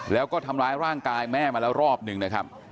แล้วก็ทำร้ายร่างกายแม่มาแล้วรอบหนึ่งนะครับ